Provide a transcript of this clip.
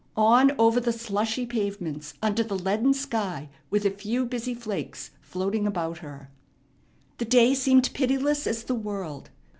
On over the slushy pavements, under the leaden sky, with a few busy flakes floating about her. The day seemed pitiless as the world.